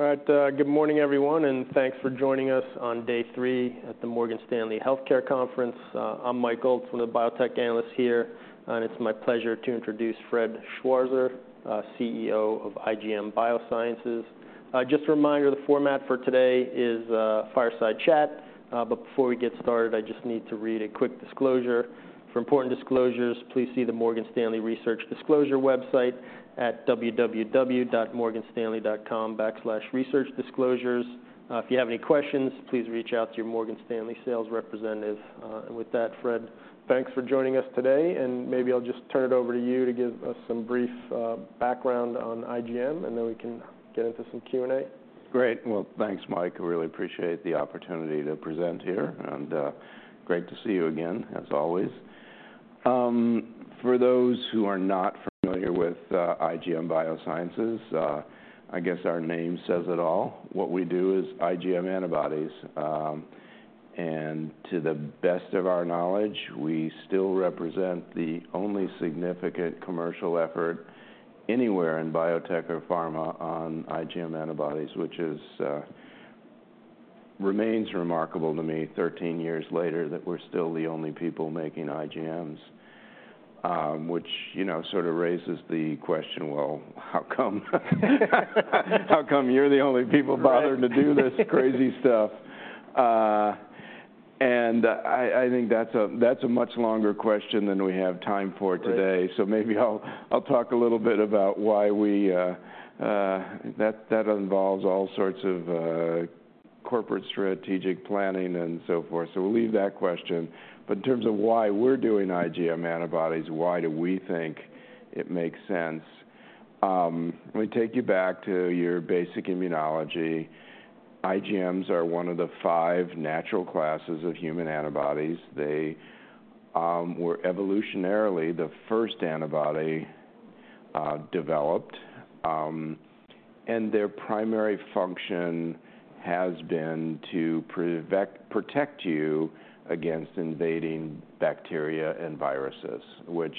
All right, good morning, everyone, and thanks for joining us on day three at the Morgan Stanley Healthcare Conference. I'm Mike Gold, one of the biotech analysts here, and it's my pleasure to introduce Fred Schwarzer, CEO of IGM Biosciences. Just a reminder, the format for today is fireside chat. But before we get started, I just need to read a quick disclosure. "For important disclosures, please see the Morgan Stanley Research Disclosure website at www.morganstanley.com/researchdisclosures. If you have any questions, please reach out to your Morgan Stanley sales representative." And with that, Fred, thanks for joining us today, and maybe I'll just turn it over to you to give us some brief background on IGM, and then we can get into some Q&A. Great. Well, thanks, Mike. I really appreciate the opportunity to present here, and great to see you again, as always. For those who are not familiar with IGM Biosciences, I guess our name says it all. What we do is IgM antibodies, and to the best of our knowledge, we still represent the only significant commercial effort anywhere in biotech or pharma on IgM antibodies, which remains remarkable to me, 13 years later, that we're still the only people making IgMs. Which, you know, sort of raises the question, well, how come? How come you're the only people bothering— Right. To do this crazy stuff? I, I think that's a, that's a much longer question than we have time for today. Right. So maybe I'll, I'll talk a little bit about why we. That, that involves all sorts of corporate strategic planning and so forth, so we'll leave that question. But in terms of why we're doing IgM antibodies, why do we think it makes sense, let me take you back to your basic immunology. IgMs are one of the five natural classes of human antibodies. They were evolutionarily the first antibody developed, and their primary function has been to protect you against invading bacteria and viruses, which,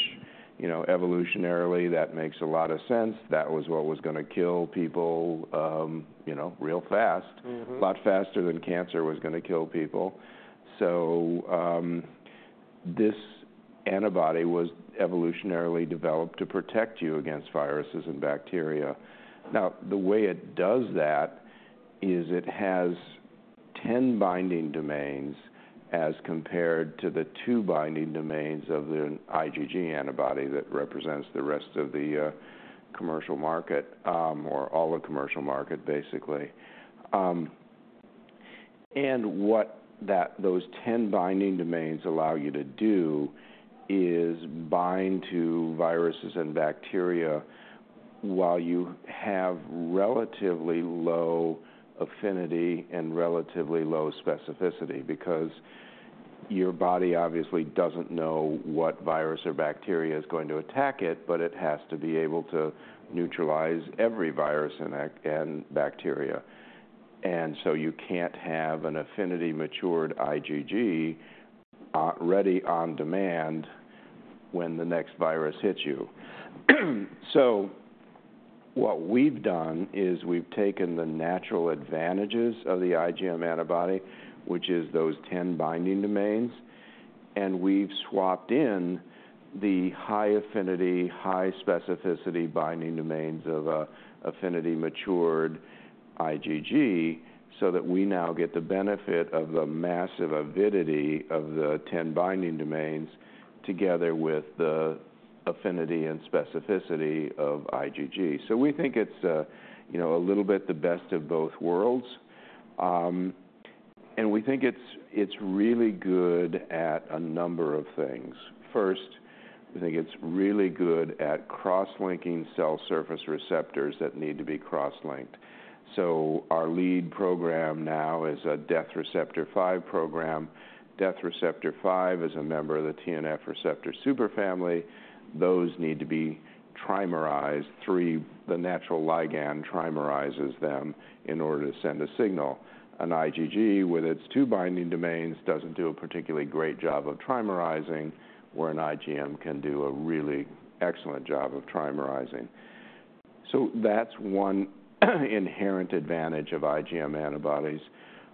you know, evolutionarily, that makes a lot of sense. That was what was gonna kill people, you know, real fast. A lot faster than cancer was gonna kill people. So, this antibody was evolutionarily developed to protect you against viruses and bacteria. Now, the way it does that is it has 10 binding domains, as compared to the 2 binding domains of an IgG antibody that represents the rest of the, commercial market, or all the commercial market, basically. And what those 10 binding domains allow you to do is bind to viruses and bacteria while you have relatively low affinity and relatively low specificity, because your body obviously doesn't know what virus or bacteria is going to attack it, but it has to be able to neutralize every virus and bacteria. And so you can't have an affinity-matured IgG, ready on demand when the next virus hits you. So what we've done is we've taken the natural advantages of the IgM antibody, which is those 10 binding domains, and we've swapped in the high affinity, high specificity binding domains of an affinity-matured IgG, so that we now get the benefit of the massive avidity of the 10 binding domains, together with the affinity and specificity of IgG. So we think it's, you know, a little bit the best of both worlds. And we think it's, it's really good at a number of things. First, we think it's really good at cross-linking cell surface receptors that need to be cross-linked. So our lead program now is a Death Receptor 5 program. Death Receptor 5 is a member of the TNF receptor superfamily. Those need to be trimerized. The natural ligand trimerizes them in order to send a signal. An IgG, with its two binding domains, doesn't do a particularly great job of trimerizing, where an IgM can do a really excellent job of trimerizing. So that's one inherent advantage of IgM antibodies.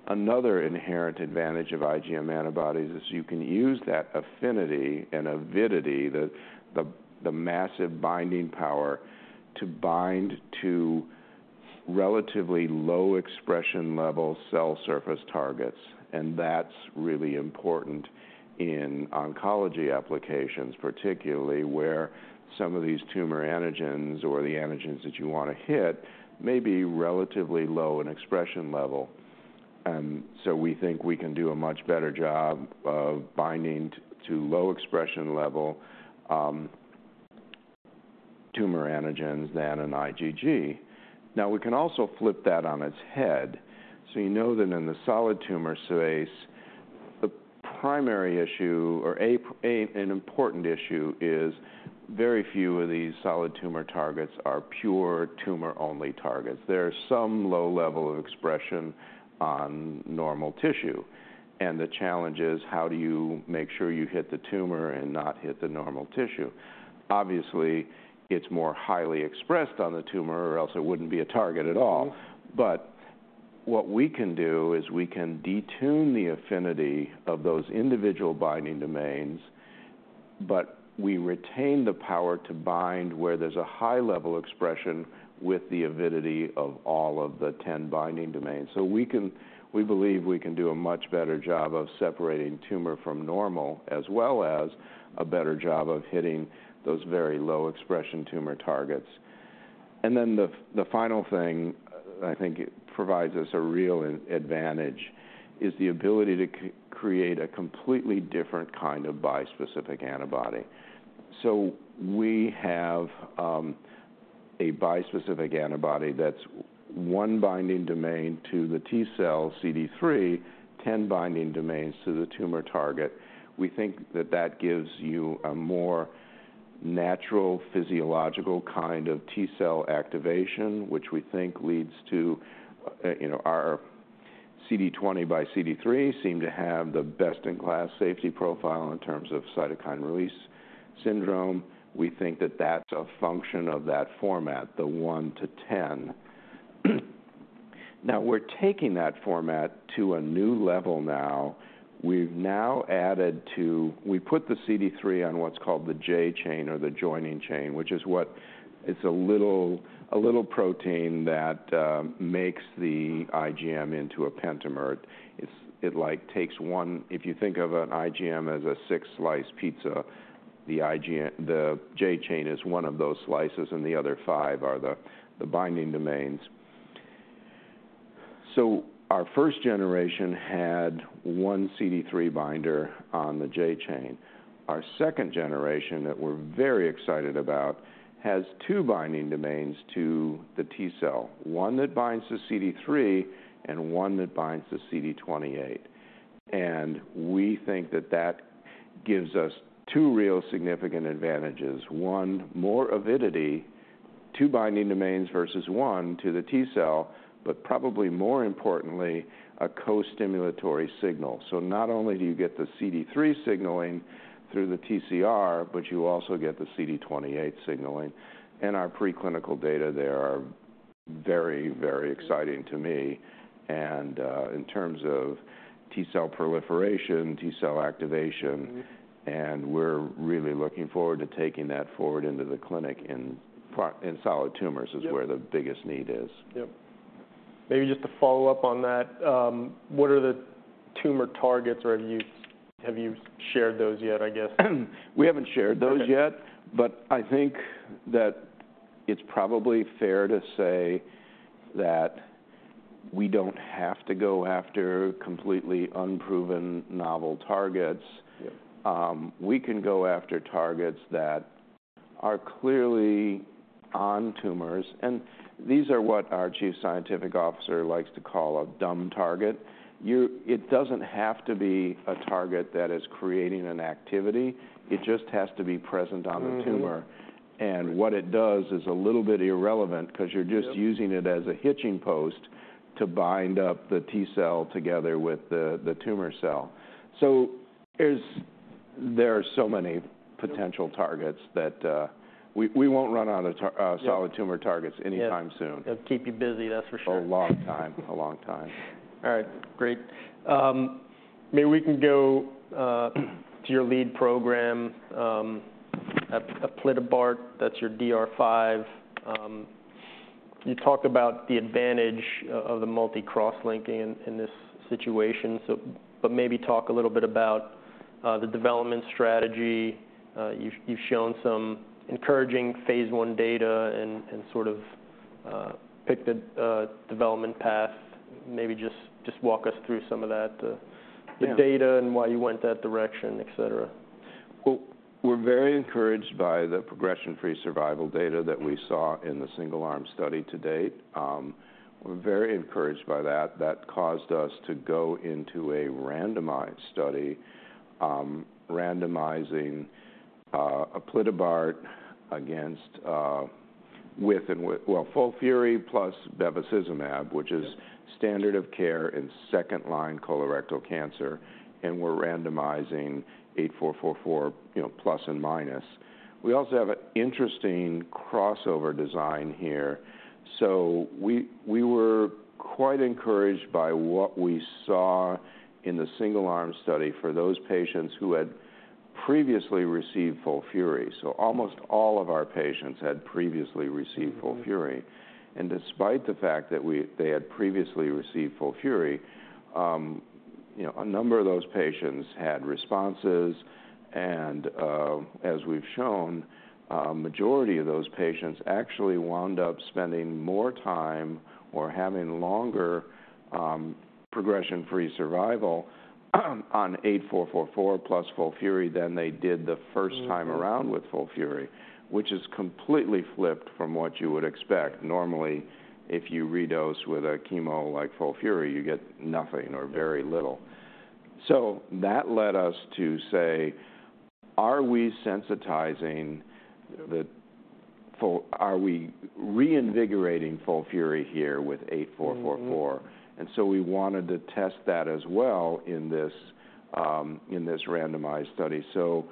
Another inherent advantage of IgM antibodies is you can use that affinity and avidity, the massive binding power, to bind to relatively low expression level cell surface targets, and that's really important in oncology applications, particularly where some of these tumor antigens or the antigens that you want to hit may be relatively low in expression level. And so we think we can do a much better job of binding to low expression level tumor antigens than an IgG. Now, we can also flip that on its head. So you know that in the solid tumor space, the primary issue, or an important issue, is very few of these solid tumor targets are pure tumor-only targets. There's some low level of expression on normal tissue, and the challenge is, how do you make sure you hit the tumor and not hit the normal tissue? Obviously, it's more highly expressed on the tumor, or else it wouldn't be a target at all what we can do is we can detune the affinity of those individual binding domains, but we retain the power to bind where there's a high level expression with the avidity of all of the 10 binding domains. So we believe we can do a much better job of separating tumor from normal, as well as a better job of hitting those very low expression tumor targets. And then the final thing, I think it provides us a real advantage, is the ability to create a completely different kind of bispecific antibody. So we have a bispecific antibody that's one binding domain to the T-cell CD3, 10 binding domains to the tumor target. We think that that gives you a more natural physiological kind of T-cell activation, which we think leads to, you know, our CD20 by CD3 seem to have the best-in-class safety profile in terms of cytokine release syndrome. We think that that's a function of that format, the one to ten. Now, we're taking that format to a new level now. We've now added to—we put the CD3 on what's called the J chain or the joining chain, which is what? It's a little protein that makes the IgM into a pentamer. It like takes one—if you think of an IgM as a six-slice pizza, the J chain is one of those slices, and the other five are the binding domains. So our first generation had one CD3 binder on the J chain. Our second generation, that we're very excited about, has two binding domains to the T-cell, one that binds to CD3 and one that binds to CD28. And we think that that gives us two real significant advantages: one, more avidity, two binding domains versus one to the T-cell, but probably more importantly, a co-stimulatory signal. So not only do you get the CD3 signaling through the TCR, but you also get the CD28 signaling. And our preclinical data there are very, very exciting to me, and in terms of T-cell proliferation, T-cell activation and we're really looking forward to taking that forward into the clinic in solid tumors is where the biggest need is. Yep. Maybe just to follow up on that, what are the tumor targets, or have you shared those yet, I guess? We haven't shared those yet. Okay. But I think that it's probably fair to say that we don't have to go after completely unproven novel targets. Yep. We can go after targets that are clearly on tumors, and these are what our Chief Scientific Officer likes to call a dumb target. It doesn't have to be a target that is creating an activity. It just has to be present on the tumor. What it does is a little bit irrelevant 'cause you're just using it as a hitching post to bind up the T-cell together with the tumor cell. So there are so many potential targets that we won't run out of solid tumor targets anytime soon. Yeah. It'll keep you busy, that's for sure. A long time. A long time. All right, great. Maybe we can go to your lead program, aplitabart, that's your DR5. You talked about the advantage of the multi-cross linking in this situation, so—but maybe talk a little bit about the development strategy. You've shown some encouraging phase I data and sort of picked a development path. Maybe just walk us through some of that. Yeah. The data and why you went that direction, et cetera. Well, we're very encouraged by the progression-free survival data that we saw in the single-arm study to date. We're very encouraged by that. That caused us to go into a randomized study, randomizing aplitabart against, Well, FOLFIRI plus bevacizumab, which is standard of care in second-line colorectal cancer, and we're randomizing 8444 you know, plus and minus. We also have an interesting crossover design here. So we were quite encouraged by what we saw in the single-arm study for those patients who had previously received FOLFIRI. So almost all of our patients had previously received FOLFIRI. Despite the fact that they had previously received FOLFIRI, you know, a number of those patients had responses and, as we've shown, majority of those patients actually wound up spending more time or having longer progression-free survival on IGM-8444 plus FOLFIRI than they did the first time around with FOLFIRI, which is completely flipped from what you would expect. Normally, if you redose with a chemo like FOLFIRI, you get nothing or very little. Yeah. So that led us to say: Are we sensitizing the FOLFIRI, are we reinvigorating FOLFIRI here with 8444? And so we wanted to test that as well in this, in this randomized study. So,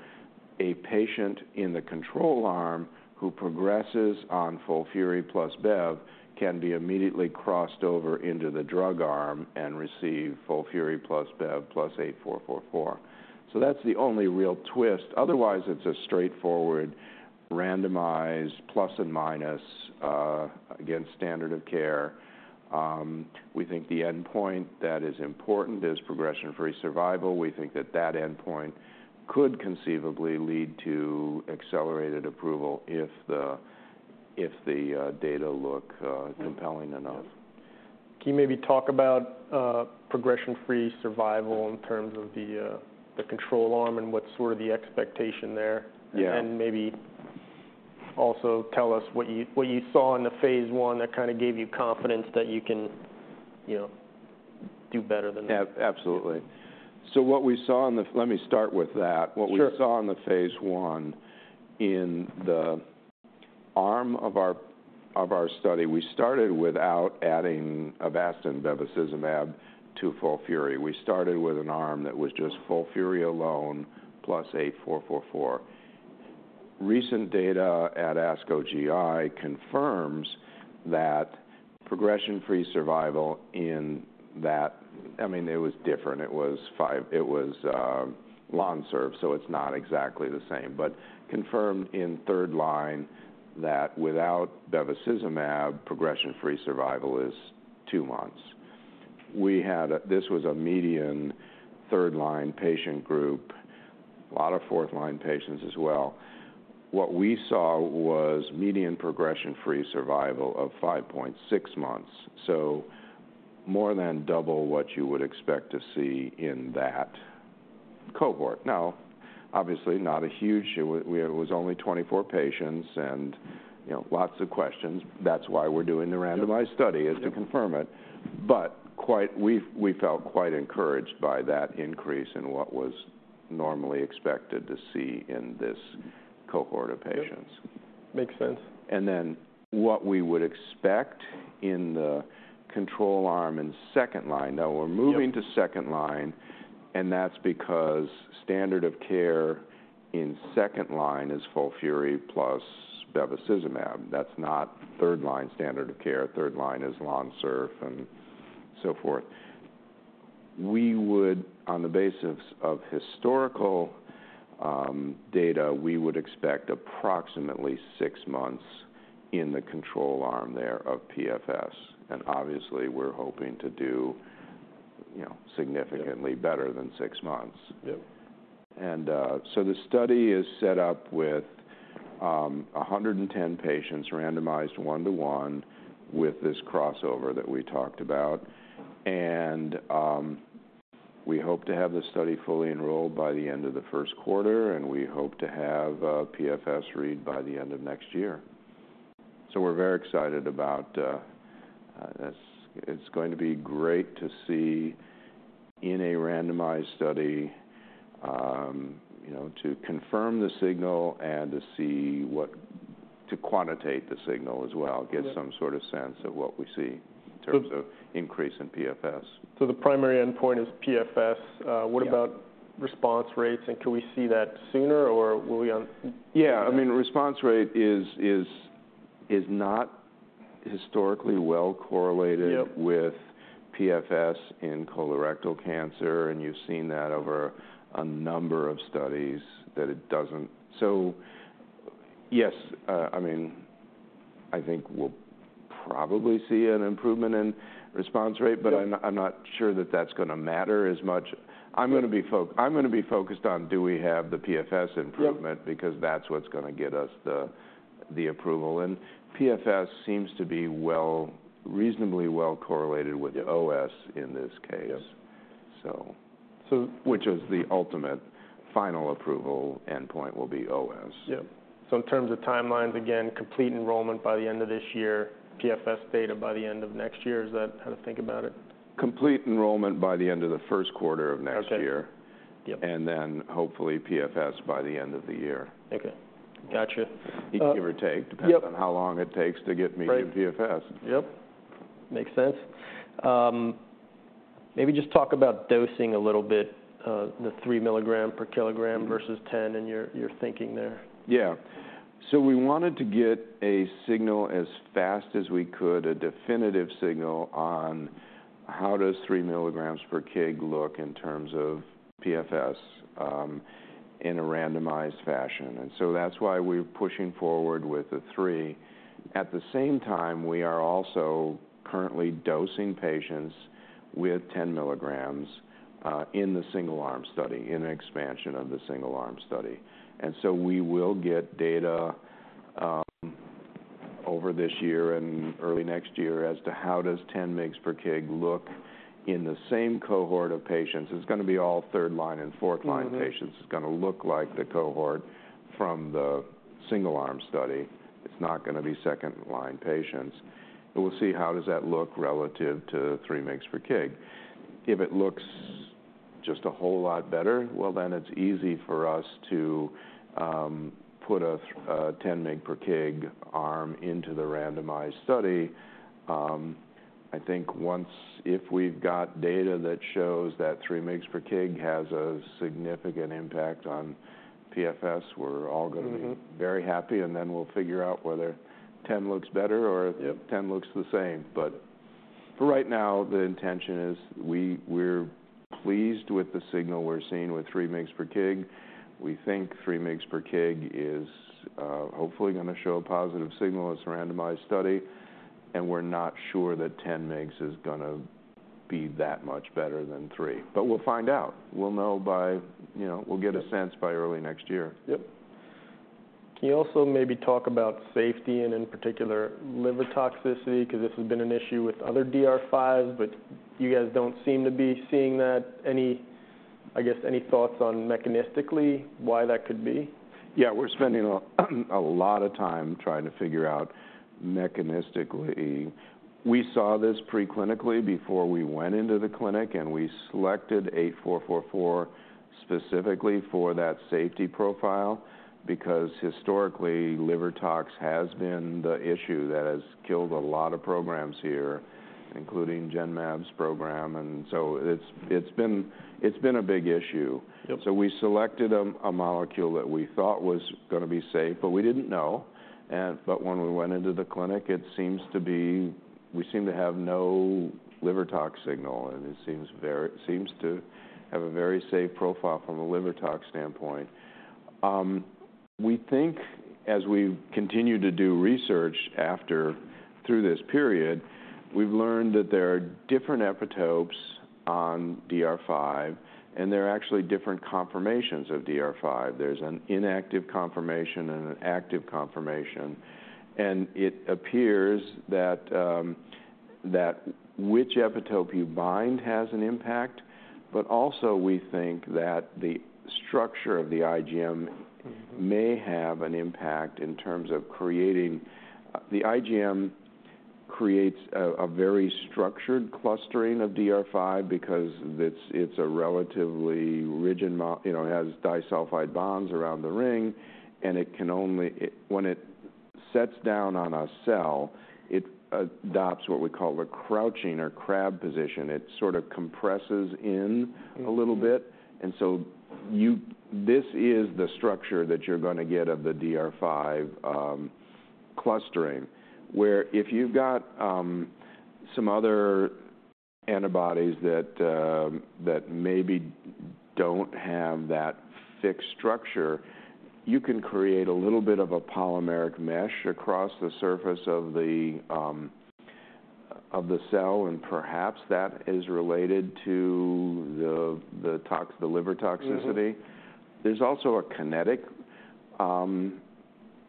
a patient in the control arm who progresses on FOLFIRI plus bev can be immediately crossed over into the drug arm and receive FOLFIRI plus bev plus 8444. So that's the only real twist. Otherwise, it's a straightforward, randomized, plus and minus, against standard of care. We think the endpoint that is important is progression-free survival. We think that that endpoint could conceivably lead to accelerated approval if the, if the, data look, compelling enough. Yep. Can you maybe talk about progression-free survival in terms of the the control arm and what's sort of the expectation there? Yeah. Maybe also tell us what you saw in the phase one that kind of gave you confidence that you can, you know, do better than that? Yep, absolutely. So what we saw in the—let me start with that. Sure. What we saw in the phase one, in the arm of our study, we started without adding Avastin bevacizumab to FOLFIRI. We started with an arm that was just FOLFIRI alone, plus 8444. Recent data at ASCO GI confirms that progression-free survival in that—I mean, it was different. It was LONSURF, so it's not exactly the same, but confirmed in third line that without bevacizumab, progression-free survival is 2 months. We had a—this was a median third-line patient group, a lot of fourth-line patients as well. What we saw was median progression-free survival of 5.6 months, so more than double what you would expect to see in that cohort. Now, obviously, not a huge. It was only 24 patients and, you know, lots of questions. That's why we're doing the randomized study, is to confirm it. But quite—we've, we felt quite encouraged by that increase in what was normally expected to see in this cohort of patients. Yep, makes sense. And then, what we would expect in the control arm in second line. Yep. Now, we're moving to second-line, and that's because standard of care in second-line is FOLFIRI plus bevacizumab. That's not third-line standard of care. Third-line is LONSURF and so forth. We would, on the basis of historical data, we would expect approximately six months in the control arm there of PFS, and obviously, we're hoping to do, you know, significantly better than six months. Yep. So the study is set up with 110 patients, randomized 1:1 with this crossover that we talked about. We hope to have the study fully enrolled by the end of the first quarter, and we hope to have PFS read by the end of next year. So we're very excited about this. It's going to be great to see in a randomized study, you know, to confirm the signal and to see what to quantitate the signal as well. Yep. Get some sort of sense of what we see in terms of— The— Increase in PFS. So the primary endpoint is PFS. Yeah. What about response rates, and can we see that sooner, or will we? Yeah, I mean, response rate is not historically well correlated with PFS in colorectal cancer, and you've seen that over a number of studies that it doesn't. So yes, I mean, I think we'll probably see an improvement in response rate, but I'm not, I'm not sure that that's gonna matter as much. Yep. I'm gonna be focused on do we have the PFS improvement because that's what's gonna get us the approval. PFS seems to be well, reasonably well correlated with OS in this case. Yep. So, which is the ultimate final approval endpoint will be OS. Yep. So in terms of timelines, again, complete enrollment by the end of this year, PFS data by the end of next year. Is that how to think about it? Complete enrollment by the end of the first quarter of next year. Okay. Yep. And then hopefully PFS by the end of the year. Okay. Gotcha. Give or take depending on how long it takes to get median PFS. Right. Yep, makes sense. Maybe just talk about dosing a little bit, the 3 mg/kg versus 10, and your, your thinking there. Yeah. So we wanted to get a signal as fast as we could, a definitive signal on how does 3 mg/kg look in terms of PFS in a randomized fashion? And so that's why we're pushing forward with the three. At the same time, we are also currently dosing patients with 10 milligrams in the single arm study, in expansion of the single-arm study. And so we will get data over this year and early next year as to how does 10 mg/kg look in the same cohort of patients. It's gonna be all third-line and fourth-line patients. It's gonna look like the cohort from the single-arm study. It's not gonna be second-line patients, but we'll see how does that look relative to 3 mg/kg. If it looks just a whole lot better, well, then it's easy for us to put a 10 mg/kg arm into the randomized study. I think once, if we've got data that shows that 3 mg/kg has a significant impact on PFS, we're all gonna be very happy, and then we'll figure out whether 10 looks better or 10 looks the same. But for right now, the intention is we're pleased with the signal we're seeing with 3 mg/kg. We think 3 mg/kg is, hopefully, gonna show a positive signal in this randomized study, and we're not sure that 10 mg is gonna be that much better than 3, but we'll find out. We'll know by, you know we'll get a sense by early next year. Yep. Can you also maybe talk about safety and, in particular, liver toxicity? 'Cause this has been an issue with other DR5, but you guys don't seem to be seeing that. I guess, any thoughts on mechanistically why that could be? Yeah, we're spending a lot of time trying to figure out mechanistically. We saw this pre-clinically before we went into the clinic, and we selected 8444 specifically for that safety profile because historically, liver tox has been the issue that has killed a lot of programs here, including Genmab's program, and so it's, it's been, it's been a big issue. Yep. So we selected a molecule that we thought was gonna be safe, but we didn't know. But when we went into the clinic, it seems to be—we seem to have no liver tox signal, and it seems very—it seems to have a very safe profile from a liver tox standpoint. We think, as we've continued to do research after, through this period, we've learned that there are different epitopes on DR5, and there are actually different conformations of DR5. There's an inactive conformation and an active conformation, and it appears that, that which epitope you bind has an impact, but also we think that the structure of the IgM may have an impact in terms of creating. The IgM creates a very structured clustering of DR5 because it's a relatively rigid you know, it has disulfide bonds around the ring, and it when it sets down on a cell, it adopts what we call a crouching or crab position. It sort of compresses in a little bit, and so this is the structure that you're gonna get of the DR5 clustering. Where if you've got some other antibodies that maybe don't have that fixed structure, you can create a little bit of a polymeric mesh across the surface of the cell, and perhaps that is related to the liver toxicity. There's also a kinetic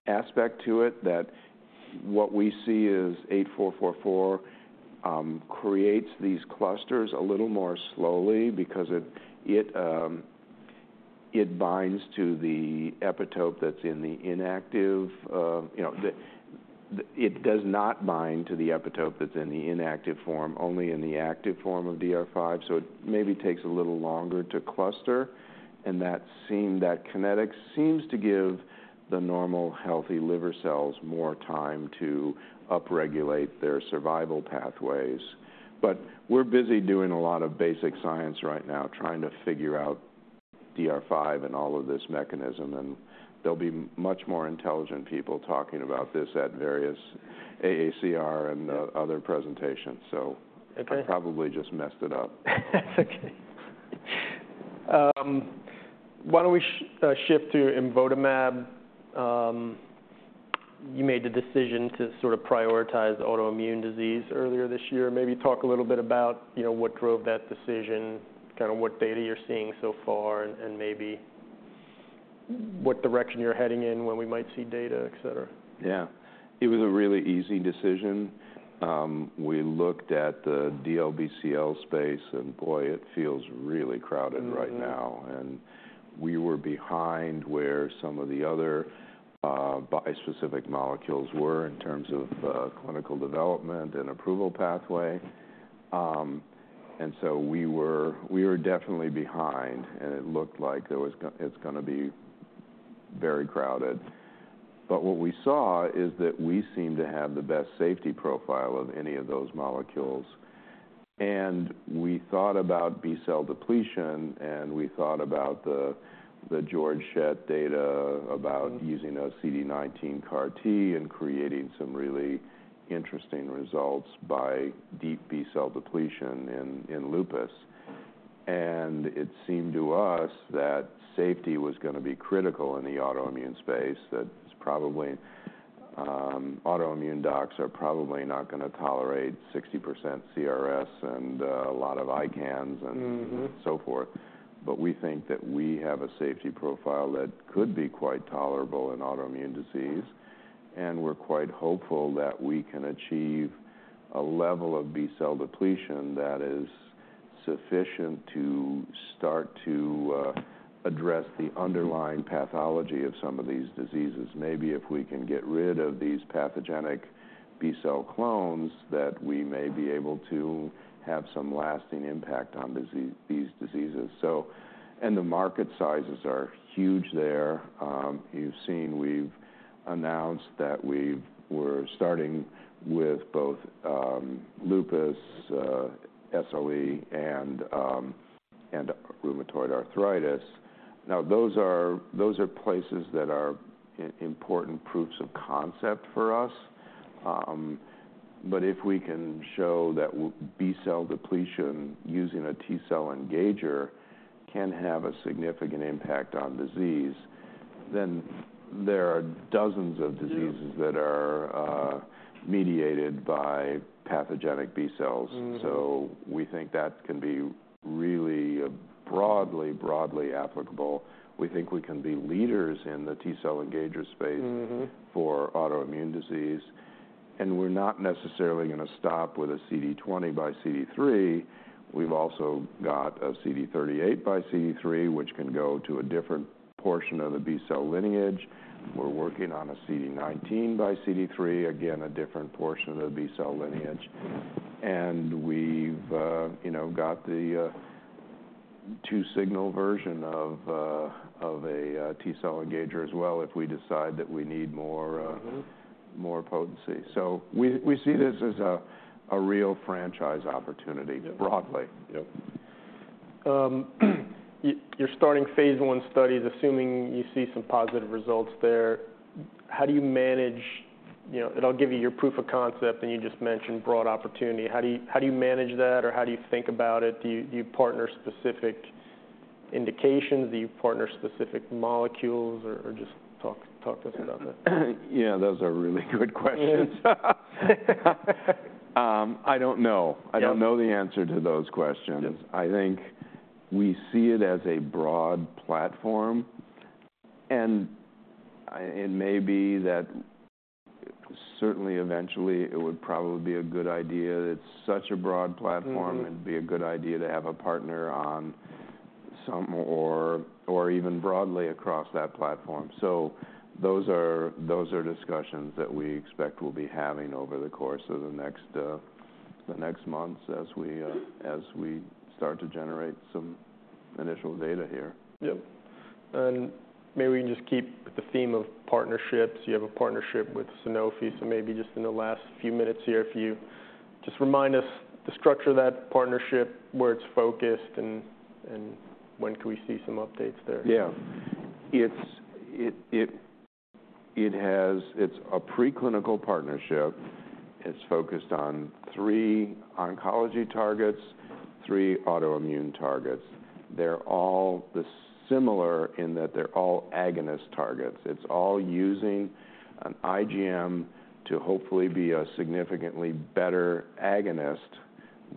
aspect to it that what we see is 8444 creates these clusters a little more slowly because it, it, it binds to the epitope that's in the inactive, you know, the, the. It does not bind to the epitope that's in the inactive form, only in the active form of DR5, so it maybe takes a little longer to cluster, and that kinetic seems to give the normal, healthy liver cells more time to upregulate their survival pathways. But we're busy doing a lot of basic science right now, trying to figure out DR5 and all of this mechanism, and there'll be much more intelligent people talking about this at various AACR and other presentations, so I probably just messed it up. That's okay. Why don't we shift to imvotamab? You made the decision to sort of prioritize autoimmune disease earlier this year. Maybe talk a little bit about, you know, what drove that decision, kind of what data you're seeing so far, and maybe what direction you're heading in, when we might see data, et cetera. Yeah. It was a really easy decision. We looked at the DLBCL space, and boy, it feels really crowded right now. We were behind where some of the other bispecific molecules were in terms of clinical development and approval pathway. So we were, we were definitely behind, and it looked like it's gonna be very crowded. But what we saw is that we seemed to have the best safety profile of any of those molecules. We thought about B-cell depletion, and we thought about the Georg Schett data about using a CD19 CAR-T and creating some really interesting results by deep B-cell depletion in lupus. And it seemed to us that safety was gonna be critical in the autoimmune space, that it's probably, autoimmune docs are probably not gonna tolerate 60% CRS and, a lot of ICANS and so forth. But we think that we have a safety profile that could be quite tolerable in autoimmune disease, and we're quite hopeful that we can achieve a level of B-cell depletion that is sufficient to start to address the underlying pathology of some of these diseases. Maybe if we can get rid of these pathogenic B-cell clones, that we may be able to have some lasting impact on disease, these diseases. So, and the market sizes are huge there. You've seen, we've announced that we're starting with both lupus, SLE, and rheumatoid arthritis. Now, those are places that are important proofs of concept for us. But if we can show that B-cell depletion using a T-cell engager can have a significant impact on disease, then there are dozens of diseases that are mediated by pathogenic B-cells. We think that can be really broadly, broadly applicable. We think we can be leaders in the T-cell engager space for autoimmune disease, and we're not necessarily gonna stop with a CD20 by CD3. We've also got a CD38 by CD3, which can go to a different portion of the B-cell lineage. We're working on a CD19 by CD3, again, a different portion of the B-cell lineage. And we've, you know, got the two signal version of a T-cell engager as well, if we decide that we need more potency. So we see this as a real franchise opportunity broadly. Yep. You, you're starting phase I studies. Assuming you see some positive results there, how do you manage—you know, it'll give you your proof of concept, and you just mentioned broad opportunity. How do you, how do you manage that, or how do you think about it? Do you, do you partner specific indications? Do you partner specific molecules or, or just talk, talk to us about that. Yeah, those are really good questions. It is. I don't know. Yep. I don't know the answer to those questions. Yep. I think we see it as a broad platform, and it may be that certainly eventually, it would probably be a good idea. It's such a broad platform it'd be a good idea to have a partner on some or, or even broadly across that platform. So those are, those are discussions that we expect we'll be having over the course of the next, the next months as we, as we start to generate some initial data here. Yep. And maybe we can just keep with the theme of partnerships. You have a partnership with Sanofi, so maybe just in the last few minutes here, if you just remind us the structure of that partnership, where it's focused, and, and when can we see some updates there? Yeah. It's a preclinical partnership. It's focused on three oncology targets, three autoimmune targets. They're all the similar in that they're all agonist targets. It's all using an IgM to hopefully be a significantly better agonist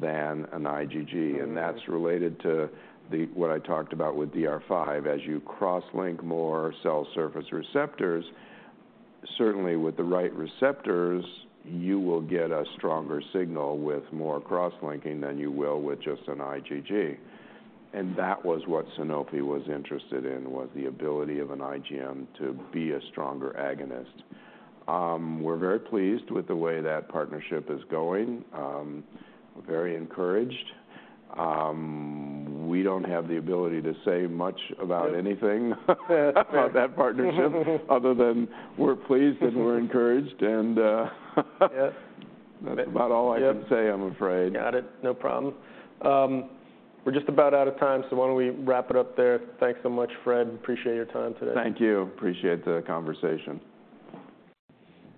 than an IgG. And that's related to what I talked about with DR5. As you cross-link more cell surface receptors, certainly with the right receptors, you will get a stronger signal with more cross-linking than you will with just an IgG. And that was what Sanofi was interested in, was the ability of an IgM to be a stronger agonist. We're very pleased with the way that partnership is going. We're very encouraged. We don't have the ability to say much about anything about that partnership, other than we're pleased and we're encouraged, and that's about all I can say I'm afraid. Got it. No problem. We're just about out of time, so why don't we wrap it up there? Thanks so much, Fred. Appreciate your time today. Thank you. Appreciate the conversation.